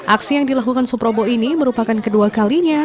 aksi yang dilakukan suprobo ini merupakan kedua kalinya